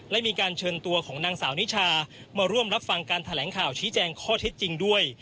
และมีการเชิญตัวของนางสาวนิชามาร่วมรับฟังการแถลงข่าวชี้แจงข้อเท็จจริงด้วย